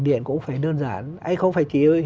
điện cũng phải đơn giản anh không phải chỉ